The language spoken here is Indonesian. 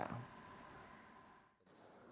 sekarang begitu kita mau menerima